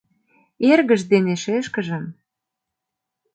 Эргыж дене шешкыжым.